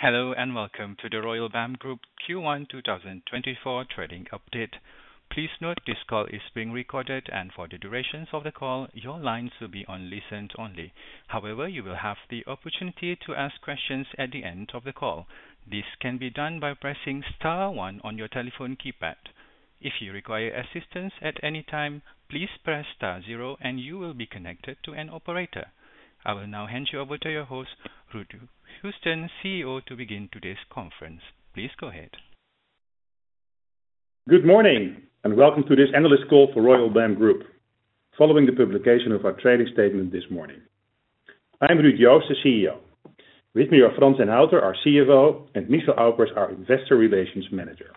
Hello, and welcome to the Royal BAM Group Q1 2024 trading update. Please note this call is being recorded, and for the duration of the call, your lines will be on listen only. However, you will have the opportunity to ask questions at the end of the call. This can be done by pressing star one on your telephone keypad. If you require assistance at any time, please press star zero and you will be connected to an operator. I will now hand you over to your host, Ruud Joosten, CEO, to begin today's conference. Please go ahead. Good morning, and welcome to this analyst call for Royal BAM Group, following the publication of our trading statement this morning. I'm Ruud Joosten, CEO. With me are Frans den Houten, our CFO, and Michel Aupers, our Investor Relations Manager.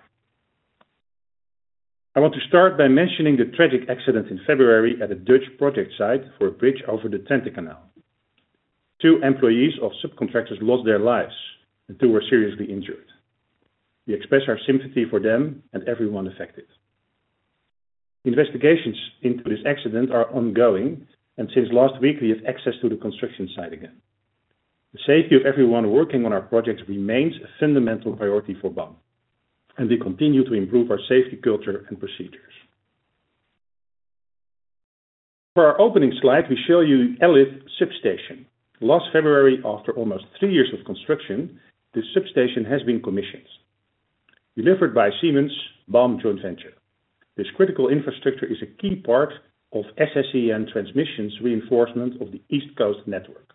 I want to start by mentioning the tragic accident in February at a Dutch project site for a bridge over the Twente Canal. Two employees of subcontractors lost their lives and two were seriously injured. We express our sympathy for them and everyone affected. Investigations into this accident are ongoing, and since last week, we have access to the construction site again. The safety of everyone working on our projects remains a fundamental priority for BAM, and we continue to improve our safety culture and procedures. For our opening slide, we show you Alyth substation. Last February, after almost three years of construction, this substation has been commissioned. Delivered by Siemens, BAM joint venture. This critical infrastructure is a key part of SSEN Transmission's reinforcement of the East Coast network.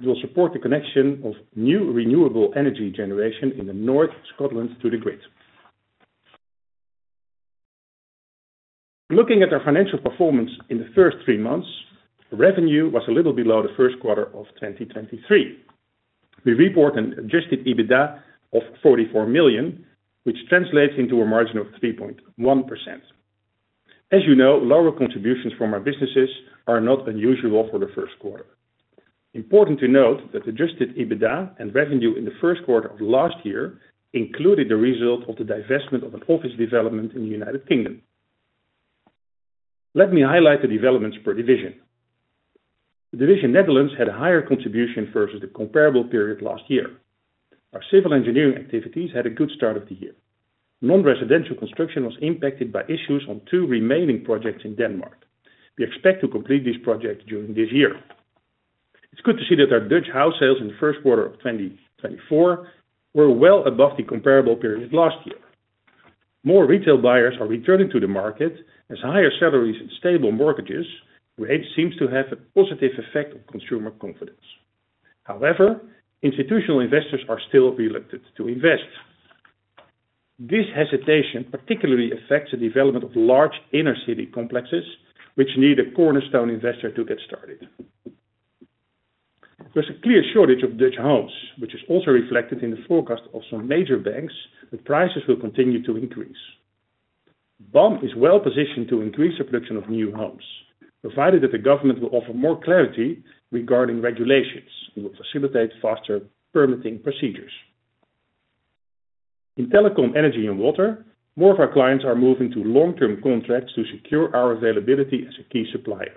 It will support the connection of new renewable energy generation in the North Scotland to the grid. Looking at our financial performance in the first three months, revenue was a little below the first quarter of 2023. We report an adjusted EBITDA of 44 million, which translates into a margin of 3.1%. As you know, lower contributions from our businesses are not unusual for the first quarter. Important to note that adjusted EBITDA and revenue in the first quarter of last year included the result of the divestment of an office development in the United Kingdom. Let me highlight the developments per division. The division Netherlands had a higher contribution versus the comparable period last year. Our civil engineering activities had a good start of the year. Non-residential construction was impacted by issues on two remaining projects in Denmark. We expect to complete this project during this year. It's good to see that our Dutch house sales in the first quarter of 2024 were well above the comparable period last year. More retail buyers are returning to the market as higher salaries and stable mortgages, which seems to have a positive effect on consumer confidence. However, institutional investors are still reluctant to invest. This hesitation particularly affects the development of large inner-city complexes, which need a cornerstone investor to get started. There's a clear shortage of Dutch homes, which is also reflected in the forecast of some major banks that prices will continue to increase. BAM is well-positioned to increase the production of new homes, provided that the government will offer more clarity regarding regulations, and will facilitate faster permitting procedures. In telecom, energy, and water, more of our clients are moving to long-term contracts to secure our availability as a key supplier.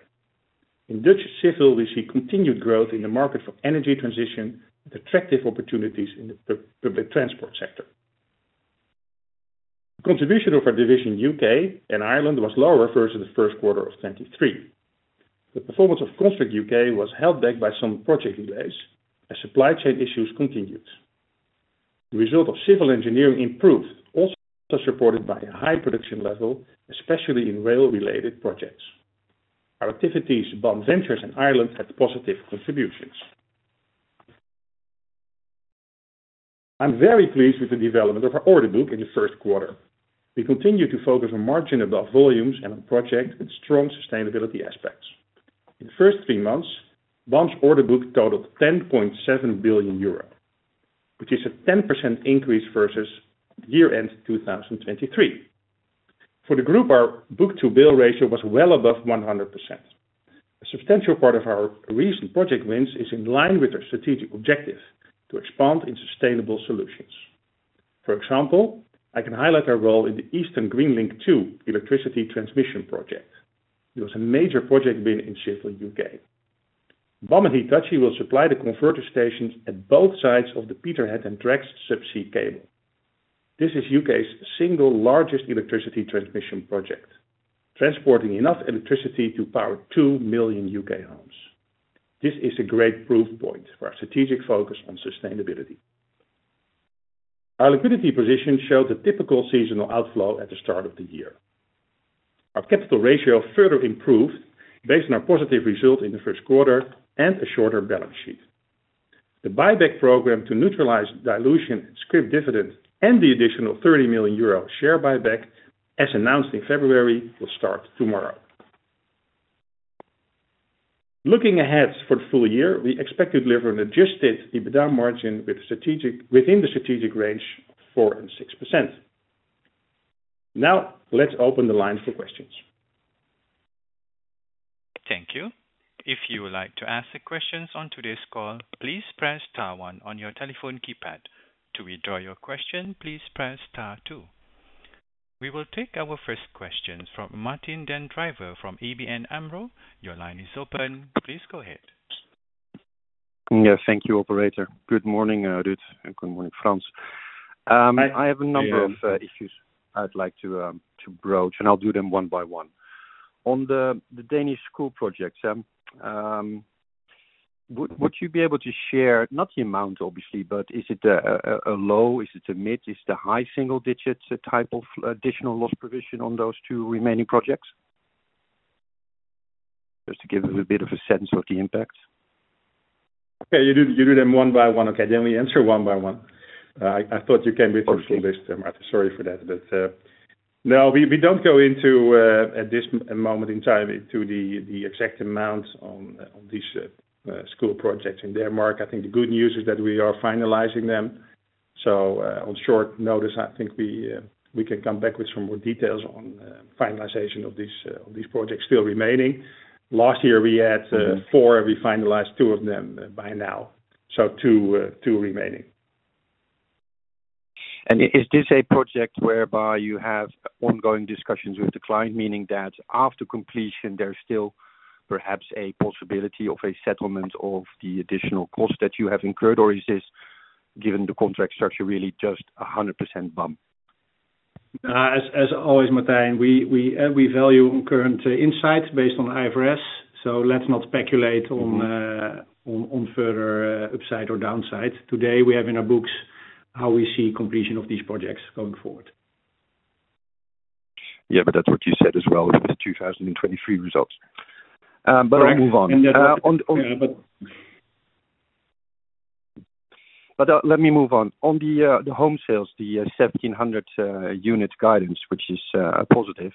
In Dutch civil, we see continued growth in the market for energy transition and attractive opportunities in the public transport sector. Contribution of our division UK and Ireland was lower versus the first quarter of 2023. The performance of Construct UK was held back by some project delays as supply chain issues continued. The result of civil engineering improved, also supported by a high production level, especially in rail-related projects. Our activities, BAM Ventures in Ireland, had positive contributions. I'm very pleased with the development of our order book in the first quarter. We continue to focus on margin above volumes and on projects with strong sustainability aspects. In the first three months, BAM's order book totaled 10.7 billion euro, which is a 10% increase versus year-end 2023. For the group, our book-to-bill ratio was well above 100%. A substantial part of our recent project wins is in line with our strategic objective to expand in sustainable solutions. For example, I can highlight our role in the Eastern Green Link 2 electricity transmission project. It was a major project win in Sheffield, UK. BAM and Hitachi will supply the converter stations at both sides of the Peterhead and Drax subsea cable. This is UK's single largest electricity transmission project, transporting enough electricity to power 2 million UK homes. This is a great proof point for our strategic focus on sustainability. Our liquidity position showed a typical seasonal outflow at the start of the year. Our capital ratio further improved based on our positive result in the first quarter and a shorter balance sheet. The buyback program to neutralize dilution, scrip dividend, and the additional 30 million euro share buyback, as announced in February, will start tomorrow. Looking ahead for the full year, we expect to deliver an adjusted EBITDA margin within the strategic range of 4%-6%. Now, let's open the line for questions. Thank you. If you would like to ask the questions on today's call, please press star one on your telephone keypad. To withdraw your question, please press star two. We will take our first question from Martijn den Drijver from ABN AMRO. Your line is open. Please go ahead. Yeah, thank you, operator. Good morning, Ruud, and good morning, Frans. I have a number of issues I'd like to broach, and I'll do them one by one. On the Danish school projects, would you be able to share, not the amount, obviously, but is it a low, is it a mid, is it a high single digits type of additional loss provision on those two remaining projects? Just to give us a bit of a sense of the impact. Okay, you do, you do them one by one. Okay, then we answer one by one. I thought you came with a full list, sorry for that. But no, we don't go into at this moment in time into the exact amounts on these school projects in Denmark. I think the good news is that we are finalizing them. So on short notice, I think we can come back with some more details on finalization of these projects still remaining. Last year, we had 4, and we finalized 2 of them by now, so 2 remaining. Is this a project whereby you have ongoing discussions with the client, meaning that after completion, there's still perhaps a possibility of a settlement of the additional cost that you have incurred? Or is this, given the contract structure, really just a 100% bump? As always, Martijn, we value current insights based on IFRS, so let's not speculate on further upside or downside. Today, we have in our books how we see completion of these projects going forward. Yeah, but that's what you said as well with the 2023 results. But I'll move on. Yeah, but- But, let me move on. On the home sales, the 1,700 unit guidance, which is positive.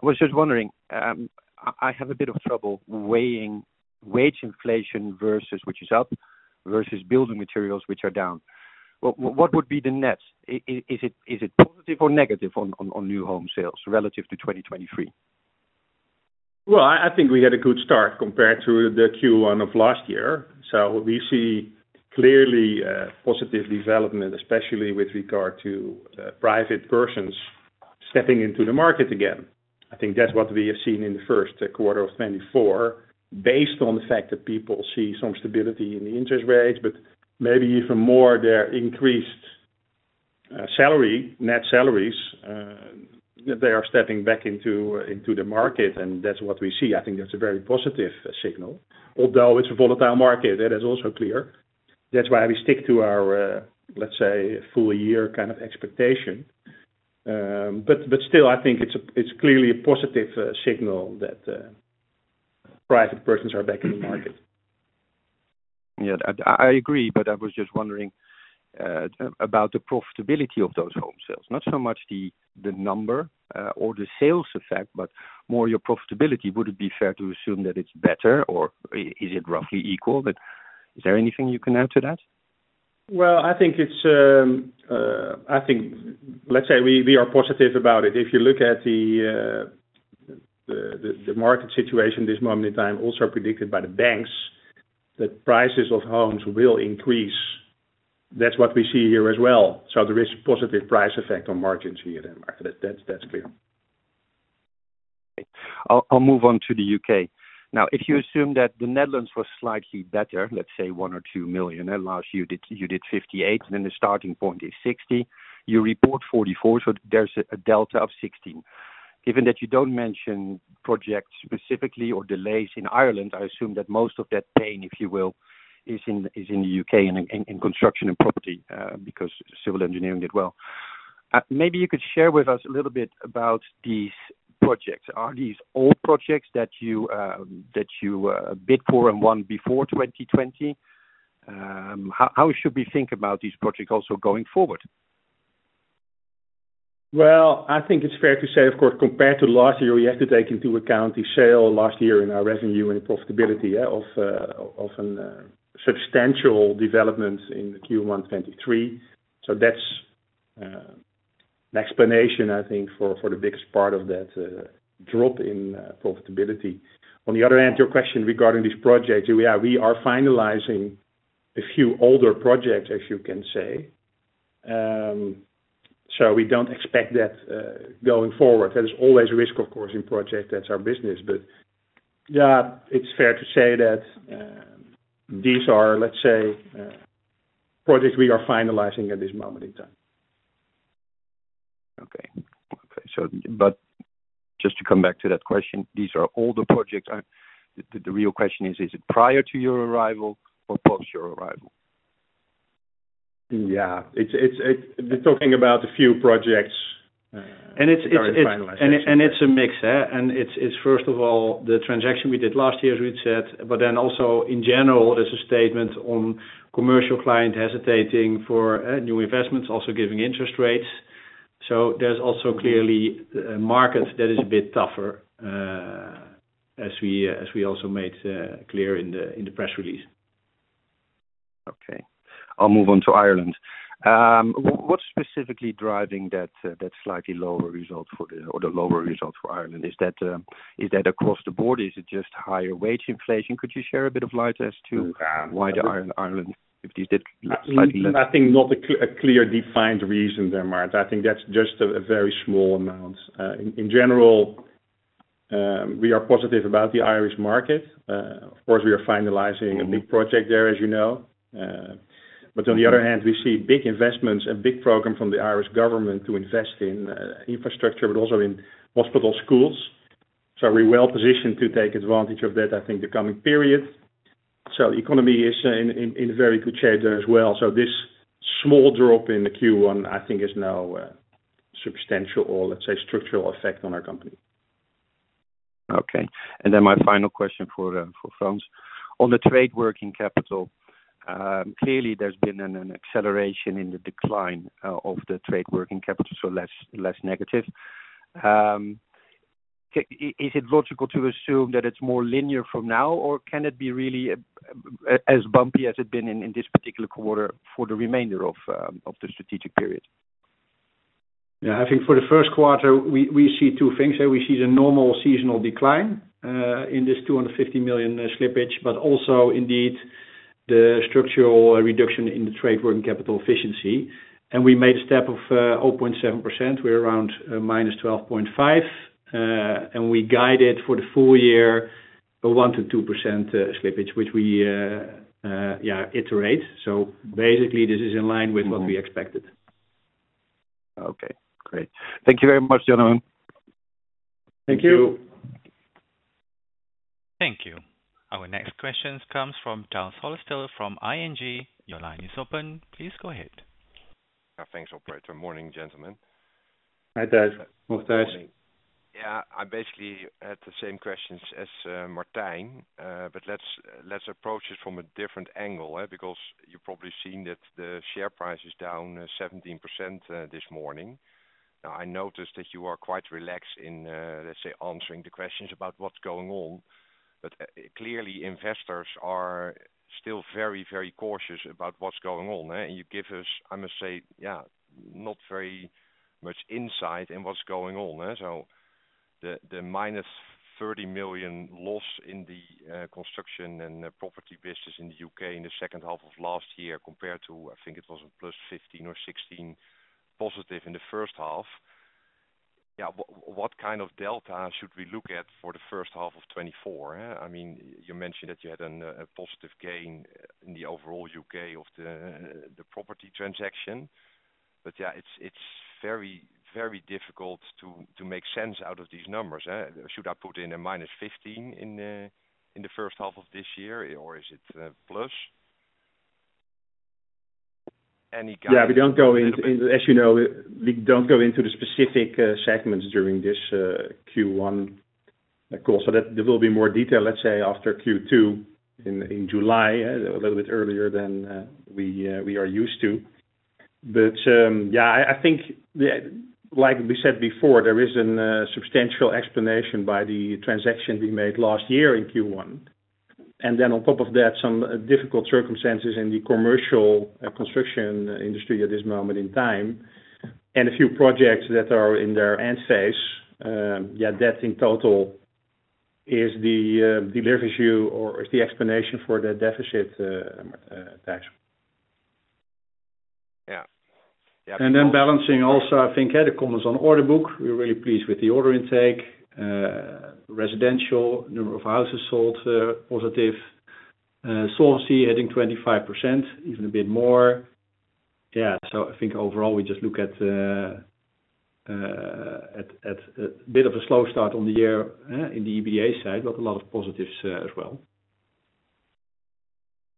I was just wondering, I have a bit of trouble weighing wage inflation versus which is up, versus building materials, which are down. What would be the net? Is it positive or negative on new home sales relative to 2023? Well, I think we had a good start compared to the Q1 of last year, so we see clearly a positive development, especially with regard to private persons stepping into the market again. I think that's what we have seen in the first quarter of 2024, based on the fact that people see some stability in the interest rates, but maybe even more their increased salary, net salaries, they are stepping back into the market, and that's what we see. I think that's a very positive signal. Although it's a volatile market, that is also clear. That's why we stick to our, let's say, full year kind of expectation. But still, I think it's clearly a positive signal that private persons are back in the market. Yeah, I agree, but I was just wondering about the profitability of those home sales. Not so much the number or the sales effect, but more your profitability. Would it be fair to assume that it's better, or is it roughly equal, but is there anything you can add to that? Well, I think it's... Let's say we are positive about it. If you look at the market situation this moment in time, also predicted by the banks, that prices of homes will increase. That's what we see here as well. So there is positive price effect on margins here, then. That's clear. I'll move on to the U.K. Now, if you assume that the Netherlands was slightly better, let's say 1-2 million, and last year you did 58, and then the starting point is 60, you report 44, so there's a delta of 16. Given that you don't mention projects specifically or delays in Ireland, I assume that most of that pain, if you will, is in the U.K. in construction and property, because civil engineering did well. Maybe you could share with us a little bit about these projects. Are these all projects that you bid for and won before 2020? How should we think about these projects also going forward? Well, I think it's fair to say, of course, compared to last year, we have to take into account the sale last year in our revenue and profitability of a substantial development in the Q1 2023. So that's an explanation, I think, for the biggest part of that drop in profitability. On the other hand, your question regarding this project, yeah, we are finalizing a few older projects, as you can say. So we don't expect that going forward. There is always risk, of course, in project. That's our business. But yeah, it's fair to say that these are, let's say, projects we are finalizing at this moment in time. Okay. Okay, so but just to come back to that question, these are all the projects... The real question is, is it prior to your arrival or post your arrival? Yeah, it's -- we're talking about a few projects. And it's -finalization. And it's a mix, and it's first of all, the transaction we did last year, as we said, but then also in general, there's a statement on commercial client hesitating for new investments, also giving interest rates. So there's also clearly a market that is a bit tougher, as we also made clear in the press release. Okay. I'll move on to Ireland. What's specifically driving that, that slightly lower result? Or the lower results for Ireland. Is that across the board, is it just higher wage inflation? Could you share a bit of light as to why the Ireland if you did slightly less? I think not a clear, defined reason there, Maarten. I think that's just a very small amount. In general, we are positive about the Irish market. Of course, we are finalizing a big project there, as you know. But on the other hand, we see big investments and big program from the Irish government to invest in infrastructure, but also in hospital, schools. So we're well positioned to take advantage of that, I think the coming period. So economy is in very good shape there as well. So this small drop in the Q1, I think, is no substantial or let's say, structural effect on our company. Okay. And then my final question for Frans. On the Trade working capital, clearly there's been an acceleration in the decline of the Trade working capital, so less negative. Is it logical to assume that it's more linear from now, or can it be really as bumpy as it's been in this particular quarter for the remainder of the strategic period? Yeah, I think for the first quarter, we see two things there. We see the normal seasonal decline in this 250 million slippage, but also indeed, the structural reduction in the trade working capital efficiency. And we made a step of 0.7%. We're around -12.5, and we guided for the full year a 1%-2% slippage, which we yeah, iterate. So basically, this is in line with what we expected. Mm-hmm. Okay, great. Thank you very much, gentlemen. Thank you. Thank you. Our next question comes from Tijs Hollestelle from ING. Your line is open. Please go ahead. Thanks, operator. Morning, gentlemen. Hi, Tijs. Good morning. Yeah, I basically had the same questions as Martijn, but let's approach it from a different angle, eh? Because you've probably seen that the share price is down 17% this morning. Now, I noticed that you are quite relaxed in, let's say, answering the questions about what's going on. But clearly, investors are still very, very cautious about what's going on, eh? And you give us, I must say, yeah, not very much insight in what's going on, eh. So the minus 30 million loss in the construction and the property business in the UK in the second half of last year, compared to, I think it was a plus 15 or 16 positive in the first half. Yeah, what kind of delta should we look at for the first half of 2024, eh? I mean, you mentioned that you had a positive gain in the overall UK of the property transaction. But yeah, it's very, very difficult to make sense out of these numbers, eh. Should I put in a -15 in the first half of this year, or is it plus? Any guidance- Yeah, we don't go into... As you know, we don't go into the specific segments during this Q1 call. So that there will be more detail, let's say, after Q2 in July, a little bit earlier than we are used to. But yeah, I think, yeah, like we said before, there is a substantial explanation by the transaction we made last year in Q1. And then on top of that, some difficult circumstances in the commercial construction industry at this moment in time, and a few projects that are in their end phase. Yeah, that in total is the leverage you or is the explanation for the deficit tax. Yeah. And then balancing also, I think, had a comments on order book. We're really pleased with the order intake, residential, number of houses sold, positive, sourcing, adding 25%, even a bit more. Yeah, so I think overall, we just look at the, at a bit of a slow start on the year, in the EBITDA side, but a lot of positives, as well.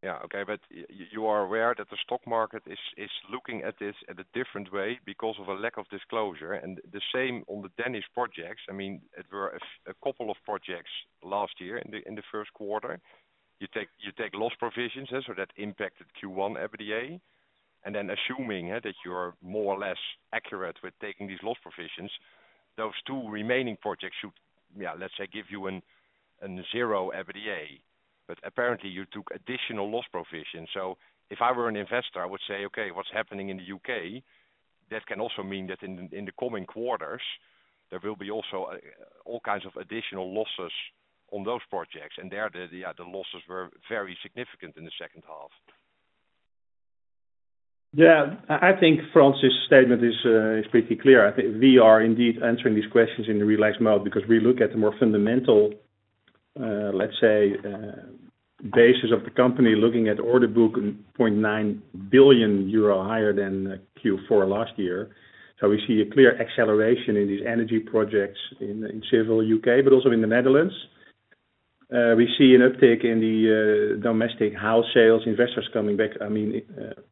Yeah, okay. But you are aware that the stock market is looking at this in a different way because of a lack of disclosure and the same on the Danish projects. I mean, there were a couple of projects last year in the first quarter. You take loss provisions, and so that impacted Q1 EBITDA. And then assuming that you're more or less accurate with taking these loss provisions, those two remaining projects should, yeah, let's say, give you a zero EBITDA. But apparently, you took additional loss provisions. So if I were an investor, I would say, "Okay, what's happening in the U.K.?" That can also mean that in the coming quarters, there will be also all kinds of additional losses on those projects, and there the losses were very significant in the second half. Yeah, I think Frans' statement is pretty clear. I think we are indeed answering these questions in a relaxed mode because we look at the more fundamental, let's say, basis of the company, looking at order book at 0.9 billion euro, higher than Q4 last year. So we see a clear acceleration in these energy projects in Civil UK, but also in the Netherlands. We see an uptick in the domestic house sales, investors coming back—I mean,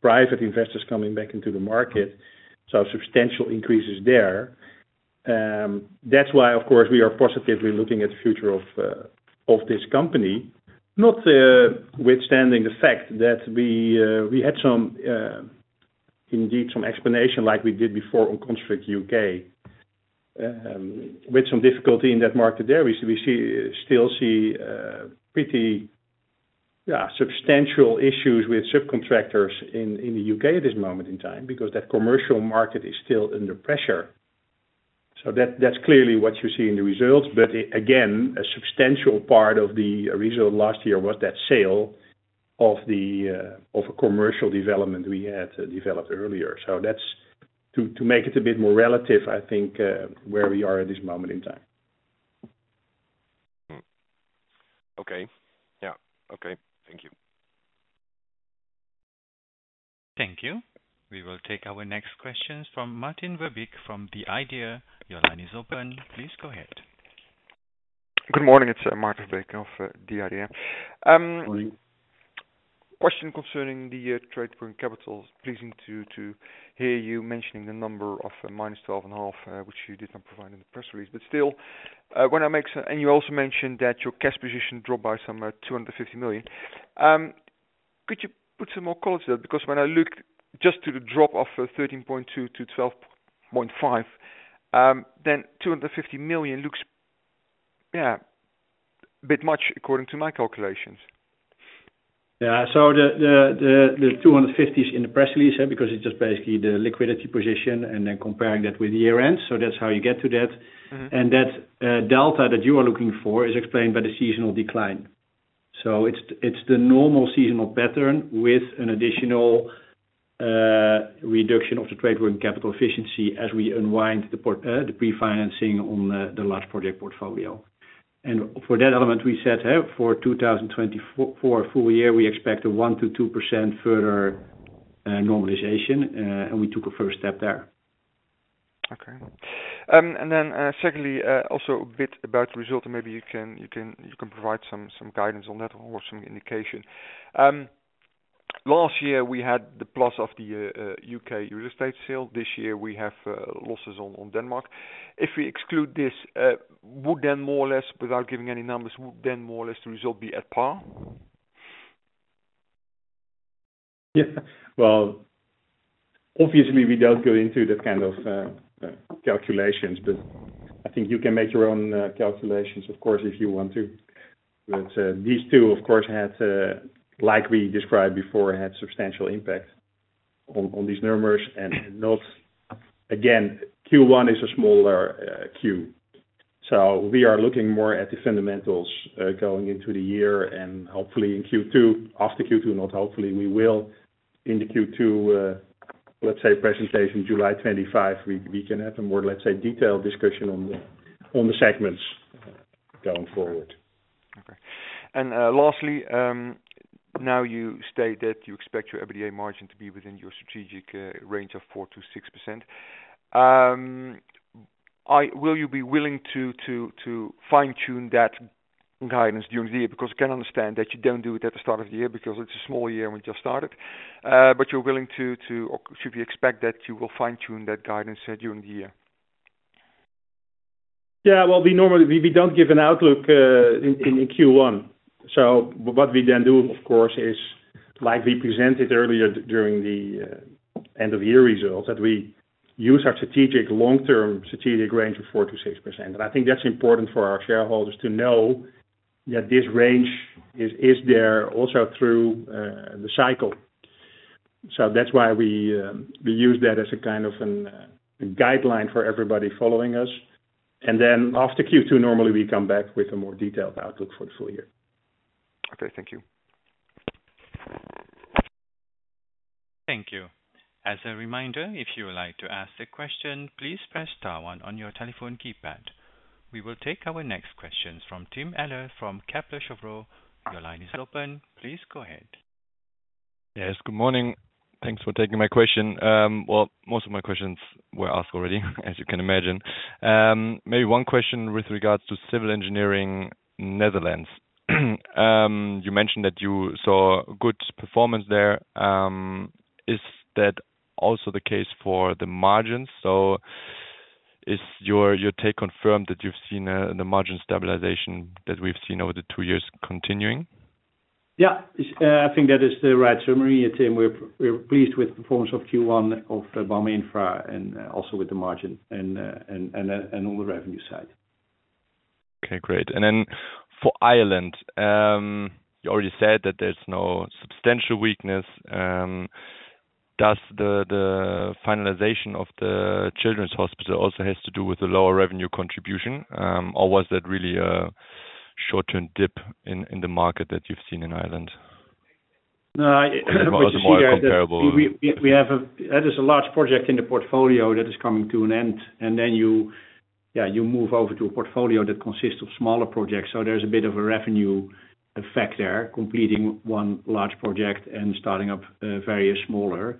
private investors coming back into the market, so substantial increases there. That's why, of course, we are positively looking at the future of this company, notwithstanding the fact that we had some, indeed, some explanation like we did before on Construct UK. With some difficulty in that market there, we see, still see, yeah, substantial issues with subcontractors in, in the UK at this moment in time, because that commercial market is still under pressure. So that, that's clearly what you see in the results. But again, a substantial part of the result last year was that sale of the, of a commercial development we had developed earlier. So that's to, to make it a bit more relative, I think, where we are at this moment in time. Okay. Yeah. Okay. Thank you. Thank you. We will take our next questions from Maarten Verbeek from TheIdea. Your line is open. Please go ahead. Good morning, it's Maarten Verbeek of TheIdea. Question concerning the trade working capital. Pleasing to hear you mentioning the number of -12.5, which you did not provide in the press release. But still, when I make—and you also mentioned that your cash position dropped by some 250 million. Could you put some more color to that? Because when I look just to the drop of 13.2 to 12.5, then 250 million looks, yeah, a bit much according to my calculations. Yeah. So the 250 is in the press release, because it's just basically the liquidity position and then comparing that with year-end. So that's how you get to that. Mm-hmm. That delta that you are looking for is explained by the seasonal decline. So it's the, it's the normal seasonal pattern with an additional reduction of the trade working capital efficiency as we unwind the pre-financing on the large project portfolio. And for that element, we said, for 2024 for a full year, we expect a 1%-2% further normalization, and we took a first step there. Okay. And then, secondly, also a bit about the result, and maybe you can provide some guidance on that or some indication. Last year we had the plus of the UK real estate sale. This year, we have losses on Denmark. If we exclude this, would then more or less, without giving any numbers, the result be at par? Yeah. Well, obviously, we don't go into that kind of calculations, but I think you can make your own calculations, of course, if you want to. But these two, of course, had, like we described before, had substantial impact on these numbers. And not—again, Q1 is a smaller Q. So we are looking more at the fundamentals going into the year and hopefully in Q2, after Q2, not hopefully, we will, in the Q2, let's say presentation, July 25, we can have a more, let's say, detailed discussion on the segments going forward. Okay. And, lastly, now you state that you expect your EBITDA margin to be within your strategic range of 4%-6%. Will you be willing to fine-tune that guidance during the year? Because I can understand that you don't do it at the start of the year, because it's a small year, and we just started. But you're willing to... Or should we expect that you will fine-tune that guidance during the year? Yeah, well, we normally don't give an outlook in Q1. So what we then do, of course, is, like we presented earlier during the end of year results, that we use our strategic, long-term strategic range of 4%-6%. And I think that's important for our shareholders to know that this range is there also through the cycle. So that's why we use that as a kind of a guideline for everybody following us. And then after Q2, normally we come back with a more detailed outlook for the full year. Okay, thank you. Thank you. As a reminder, if you would like to ask a question, please press star one on your telephone keypad. We will take our next questions from Tim Ehlers from Kepler Cheuvreux. Your line is open. Please go ahead. Yes, good morning. Thanks for taking my question. Well, most of my questions were asked already, as you can imagine. Maybe one question with regards to civil engineering, Netherlands. You mentioned that you saw good performance there. Is that also the case for the margins? So is your, your take confirmed that you've seen the margin stabilization that we've seen over the two years continuing? Yeah, it's, I think that is the right summary, Tim. We're pleased with the performance of Q1 of the BAM Infra and on the revenue side. Okay, great. And then for Ireland, you already said that there's no substantial weakness. Does the finalization of the children's hospital also has to do with the lower revenue contribution? Or was that really a short-term dip in the market that you've seen in Ireland? No, what you see- Or is it more comparable? That is a large project in the portfolio that is coming to an end, and then you, yeah, you move over to a portfolio that consists of smaller projects. So there's a bit of a revenue effect there, completing one large project and starting up various smaller.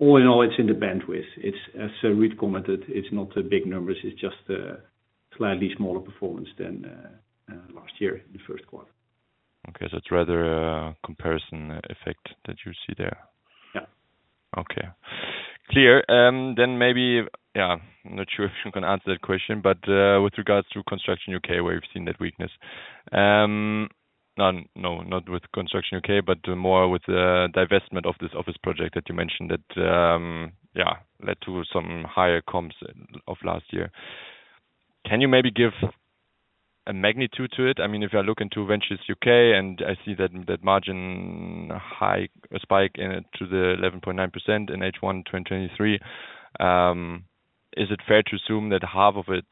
All in all, it's in the bandwidth. It's, as Ruud commented, it's not a big numbers, it's just a slightly smaller performance than last year in the first quarter. Okay. It's rather a comparison effect that you see there? Yeah. Okay. Clear. Then maybe... Yeah, I'm not sure if you can answer that question, but with regards to Construction UK, where you've seen that weakness. No, not with Construction UK, but more with the divestment of this office project that you mentioned, that yeah, led to some higher comps of last year.... Can you maybe give a magnitude to it? I mean, if I look into Ventures UK, and I see that margin high, a spike in it to the 11.9% in H1 2023. Is it fair to assume that half of it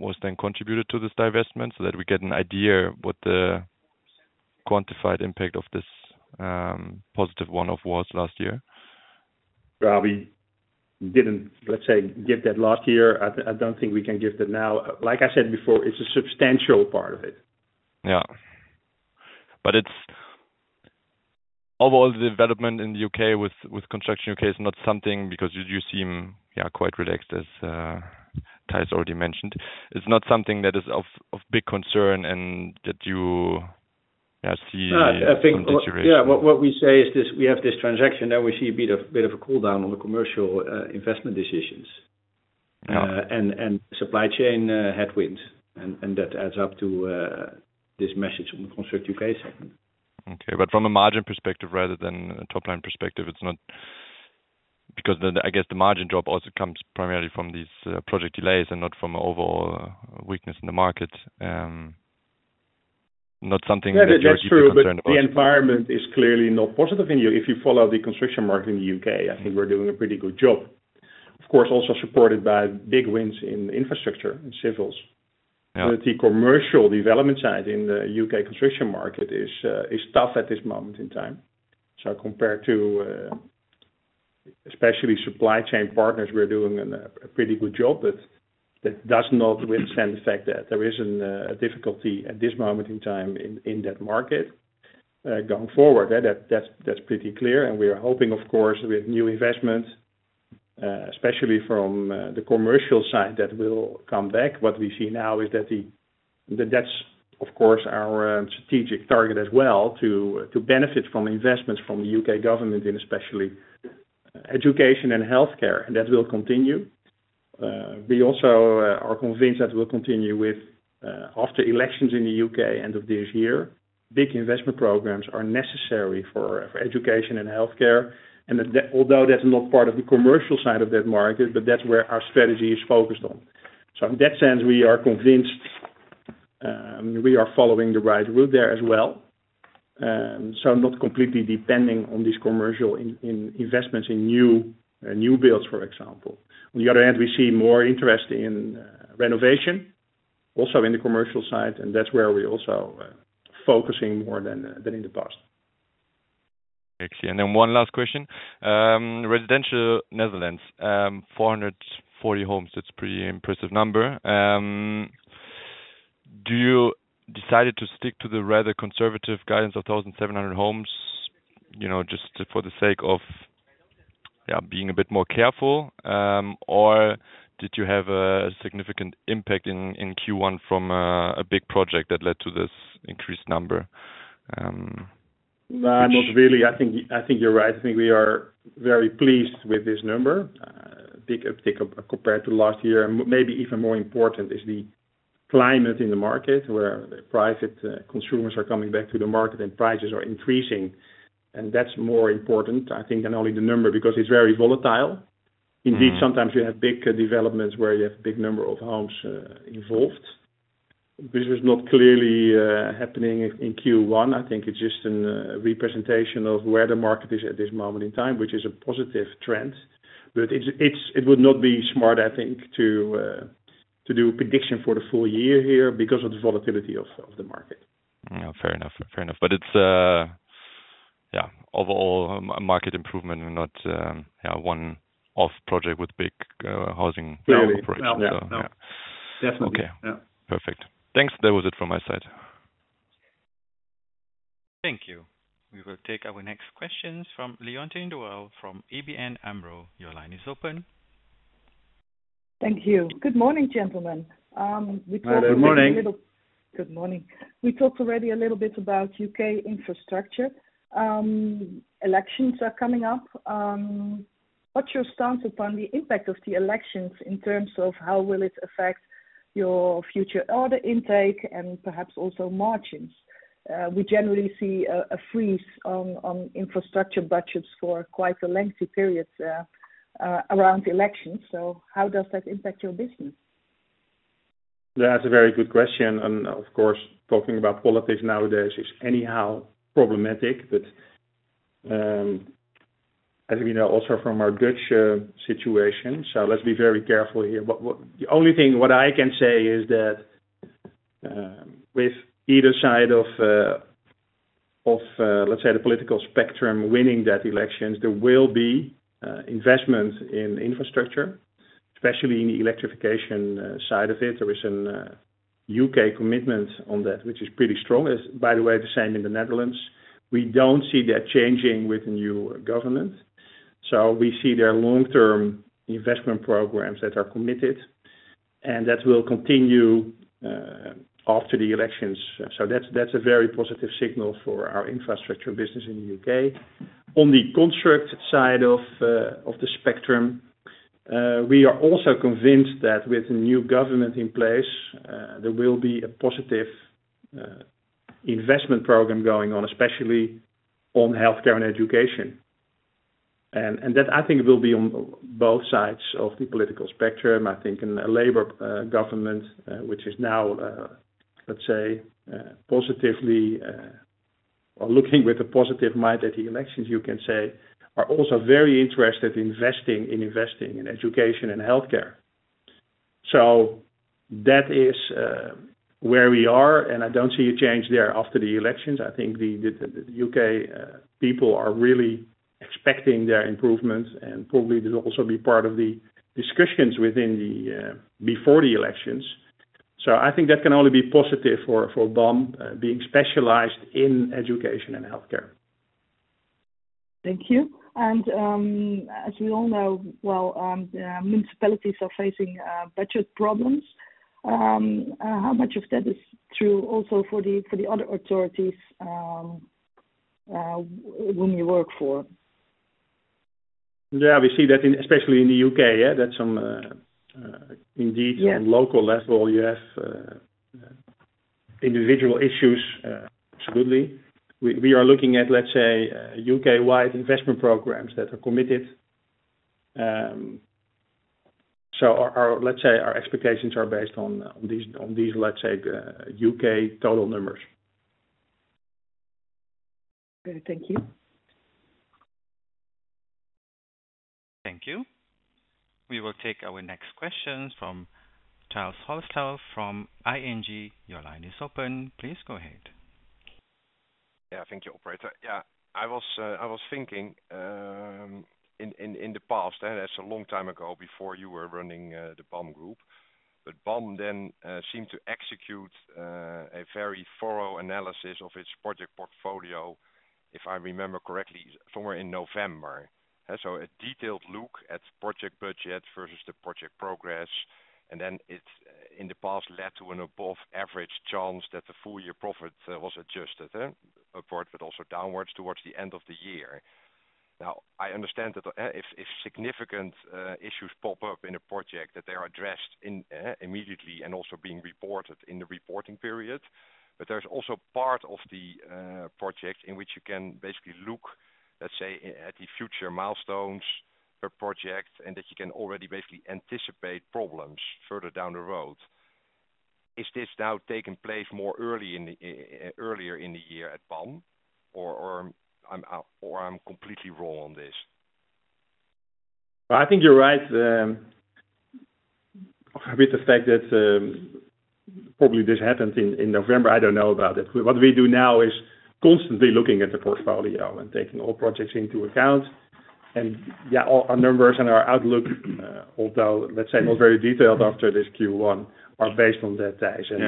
was then contributed to this divestment so that we get an idea what the quantified impact of this positive one-off was last year? Well, we didn't, let's say, give that last year. I, I don't think we can give that now. Like I said before, it's a substantial part of it. Yeah. But it's overall, the development in the UK with construction UK is not something because you seem, yeah, quite relaxed, as Tijs's already mentioned. It's not something that is of big concern and that you, yeah, see- Yeah, I think- -from situation. Yeah. What we say is this, we have this transaction, then we see a bit of a cool down on the commercial investment decisions. Yeah. supply chain headwinds, and that adds up to this message from the Construct UK segment. Okay. But from a margin perspective rather than a top-line perspective, it's not... Because then I guess the margin drop also comes primarily from these project delays and not from an overall weakness in the market. Not something that you're deeply concerned about. Yeah, that's true, but the environment is clearly not positive in U.K. If you follow the construction market in the U.K., I think we're doing a pretty good job. Of course, also supported by big wins in infrastructure and civils. Yeah. But the commercial development side in the UK construction market is, is tough at this moment in time. So compared to, especially supply chain partners, we're doing an, a pretty good job, but that does not withstand the fact that there isn't a, a difficulty at this moment in time in, in that market, going forward. That, that's, that's pretty clear, and we are hoping, of course, with new investment, especially from, the commercial side, that will come back. What we see now is that that's, of course, our, strategic target as well to, to benefit from investments from the UK government and especially education and healthcare, and that will continue. We also, are convinced that we'll continue with, after elections in the UK, end of this year. Big investment programs are necessary for education and healthcare, and that—although that's not part of the commercial side of that market, but that's where our strategy is focused on. So in that sense, we are convinced we are following the right route there as well. So not completely depending on these commercial investments in new builds, for example. On the other hand, we see more interest in renovation, also in the commercial side, and that's where we're also focusing more than in the past. Actually, and then one last question. Residential Netherlands, 440 homes, that's pretty impressive number. Do you decided to stick to the rather conservative guidance of 1,700 homes, you know, just for the sake of, yeah, being a bit more careful, or did you have a significant impact in Q1 from a big project that led to this increased number? No, not really. I think, I think you're right. I think we are very pleased with this number, big uptick compared to last year. And maybe even more important is the climate in the market, where private consumers are coming back to the market and prices are increasing. And that's more important, I think, than only the number, because it's very volatile. Mm-hmm. Indeed, sometimes you have big developments where you have big number of homes involved. This was not clearly happening in Q1. I think it's just an representation of where the market is at this moment in time, which is a positive trend. But it would not be smart, I think, to do a prediction for the full year here because of the volatility of the market. Yeah, fair enough. Fair enough. But it's yeah, overall market improvement and not yeah, one of project with big housing- Yeah. -operation. Yeah. Yeah. Yeah. Definitely. Okay. Yeah. Perfect. Thanks. That was it from my side. Thank you. We will take our next questions from Leontien de Waal from ABN AMRO. Your line is open. Thank you. Good morning, gentlemen. We talked a little- Good morning. Good morning. We talked already a little bit about UK infrastructure. Elections are coming up. What's your stance upon the impact of the elections in terms of how will it affect your future order intake and perhaps also margins? We generally see a freeze on infrastructure budgets for quite a lengthy period around the elections. So how does that impact your business? That's a very good question, and of course, talking about politics nowadays is anyhow problematic, but, as we know, also from our Dutch situation, so let's be very careful here. But the only thing I can say is that, with either side of the political spectrum, winning that election, there will be investment in infrastructure, especially in the electrification side of it. There is a U.K. commitment on that, which is pretty strong, as by the way, the same in the Netherlands. We don't see that changing with the new government. So we see their long-term investment programs that are committed, and that will continue after the elections. So that's a very positive signal for our infrastructure business in the U.K. On the construction side of the spectrum, we are also convinced that with the new government in place, there will be a positive investment program going on, especially on healthcare and education. And that I think will be on both sides of the political spectrum. I think in a Labour government, which is now, let's say, positively or looking with a positive mind at the elections, you can say, are also very interested in investing, in investing in education and healthcare. So that is where we are, and I don't see a change there after the elections. I think the U.K. people are really expecting their improvements and probably will also be part of the discussions within the before the elections. I think that can only be positive for BAM, being specialized in education and healthcare. Thank you. And, as we all know, well, the municipalities are facing budget problems. How much of that is true also for the other authorities whom you work for? Yeah, we see that in, especially in the UK, yeah, that some, Yeah. Indeed, on local level, you have individual issues. Absolutely. We are looking at, let's say, UK-wide investment programs that are committed. So our expectations are based on these UK total numbers. Okay, thank you. Thank you. We will take our next question from Tijs Hollestelle from ING. Your line is open. Please go ahead. Yeah, thank you, operator. Yeah, I was thinking in the past, and that's a long time ago before you were running the BAM Group. But BAM then seemed to execute a very thorough analysis of its project portfolio, if I remember correctly, somewhere in November. And so a detailed look at project budget versus the project progress, and then it's, in the past, led to an above average chance that the full year profit was adjusted upward, but also downwards towards the end of the year. Now, I understand that if significant issues pop up in a project, that they are addressed immediately and also being reported in the reporting period. But there's also part of the project in which you can basically look, let's say, at the future milestones per project, and that you can already basically anticipate problems further down the road. Is this now taking place more early in the earlier in the year at BAM, or I'm completely wrong on this? I think you're right, with the fact that, probably this happened in November. I don't know about it. What we do now is constantly looking at the portfolio and taking all projects into account. And, yeah, our numbers and our outlook, although, let's say, more very detailed after this Q1, are based on that, Tijs.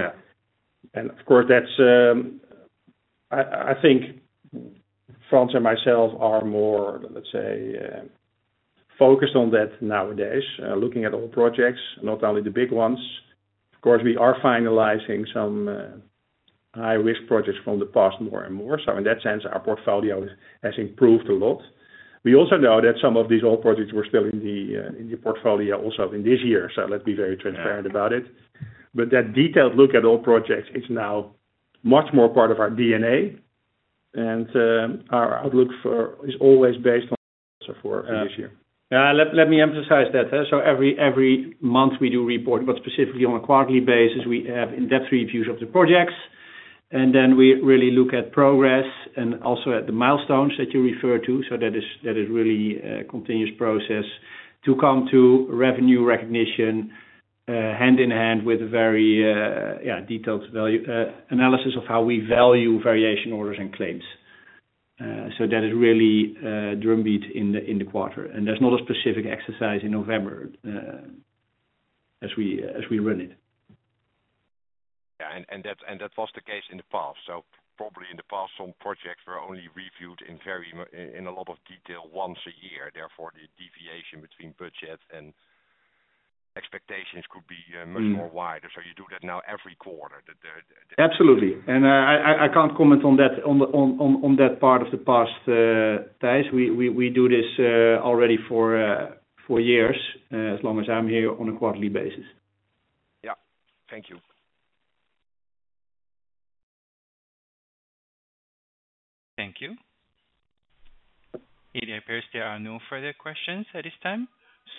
Yeah. Of course, that's... I think Frans and myself are more, let's say, focused on that nowadays, looking at all projects, not only the big ones. Of course, we are finalizing some high-risk projects from the past, more and more. So in that sense, our portfolio has improved a lot. We also know that some of these old projects were still in the portfolio also in this year, so let's be very transparent about it. Yeah. But that detailed look at all projects is now much more part of our DNA, and our outlook is always based on this year. Yeah, let me emphasize that. So every month we do report, but specifically on a quarterly basis, we have in-depth reviews of the projects, and then we really look at progress and also at the milestones that you refer to. So that is really a continuous process to come to revenue recognition, hand in hand with very detailed value analysis of how we value variation orders and claims. So that is really drumbeat in the quarter. And there's not a specific exercise in November, as we run it. Yeah, and that was the case in the past. So probably in the past, some projects were only reviewed in a lot of detail once a year. Therefore, the deviation between budget and expectations could be much more wider. Mm. So you do that now every quarter, Absolutely. And, I can't comment on that, on that part of the past, Thijs. We do this already for years, as long as I'm here, on a quarterly basis. Yeah. Thank you. Thank you. It appears there are no further questions at this time,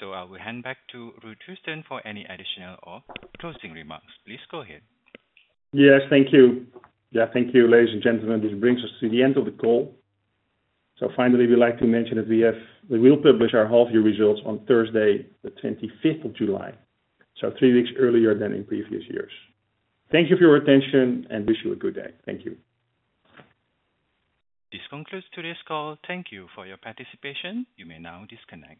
so I will hand back to Ruud Joosten for any additional or closing remarks. Please go ahead. Yes, thank you. Yeah, thank you, ladies and gentlemen. This brings us to the end of the call. So finally, we'd like to mention that we will publish our half year results on Thursday, the 25th of July, so three weeks earlier than in previous years. Thank you for your attention, and wish you a good day. Thank you. This concludes today's call. Thank you for your participation. You may now disconnect.